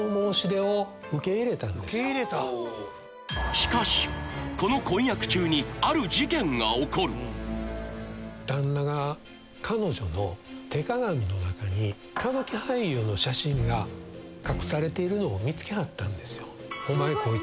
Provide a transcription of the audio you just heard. しかしこの婚約中に旦那が彼女の手鏡の中に歌舞伎俳優の写真が隠されているのを見つけはったんですよ。